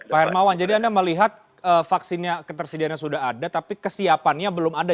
pak hermawan jadi anda melihat vaksinnya ketersediaannya sudah ada tapi kesiapannya belum ada